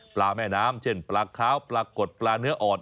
แม่น้ำเช่นปลาขาวปลากดปลาเนื้ออ่อน